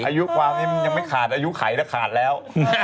อายุความนี้มันยังไม่ขาดอายุไขและขาดแล้ว